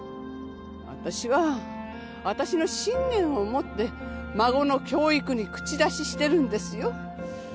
あたしはあたしの信念をもって孫の教育に口出ししてるんですよ。